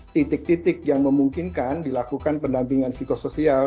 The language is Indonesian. titik titik yang memungkinkan dilakukan pendampingan psikosoial